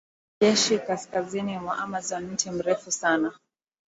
kijeshi kaskazini mwa Amazon Mti Mrefu Sana